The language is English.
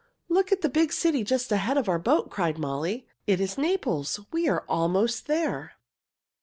"Look at the big city just ahead of our boat!" cried Molly. "It is Naples. We are almost there!"